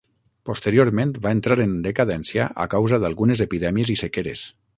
Posteriorment va entrar en decadència a causa d'algunes epidèmies i sequeres.